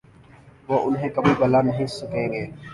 وہ انہیں کبھی بھلا نہیں سکیں گے۔